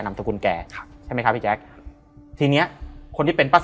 นำตกุญแกค่ะใช่ไหมครับพี่แจ๊คทีเนี้ยคนที่เป็นป้าศี